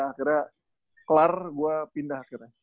akhirnya kelar gue pindah